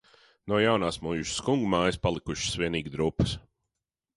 No jaunās muižas kungu mājas palikušas vienīgi drupas.